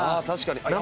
確かに。